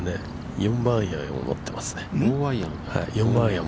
４番アイアンを持っています。